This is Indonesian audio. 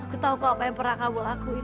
aku tau kau apa yang pernah kamu lakuin